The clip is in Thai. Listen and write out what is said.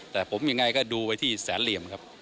แต่ผมยังไงก็ดูไว้ที่แสนเหลี่ยมครับ